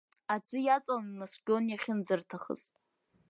Аӡы иаҵалан инаскьон иахьынӡарҭахыз.